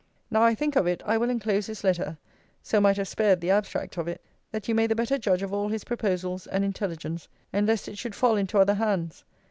Now I think of it, I will enclose his letter, (so might have spared the abstract of it,) that you may the better judge of all his proposals, and intelligence; and les it should fall into other hands.